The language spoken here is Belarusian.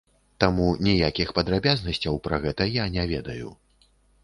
Таму ніякіх падрабязнасцяў пра гэта я не ведаю.